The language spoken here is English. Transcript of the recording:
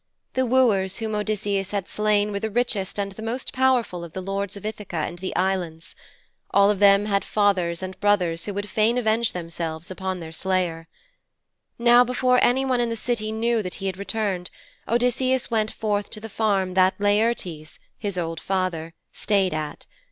The wooers whom Odysseus had slain were the richest and the most powerful of the lords of Ithaka and the Islands; all of them had fathers and brothers who would fain avenge them upon their slayer. Now before anyone in the City knew that he had returned, Odysseus went forth to the farm that Laertes, his old father, stayed at.